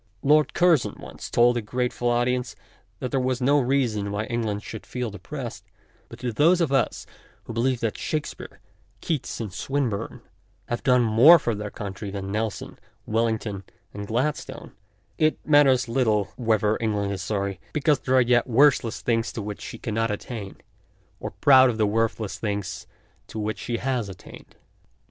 Lord Curzon once told a grateful audi ence that there was no reason why Eng land should feel depressed, but to those of us who believe that Shakespeare, Keats, and Swinburne have done more for their country than Nelson, Wellington, and Glad stone, it matters little whether England is 88 MONOLOGUES sorry because there are yet worthless things to which she cannot attain, or proud of the worthless things to which she has attained.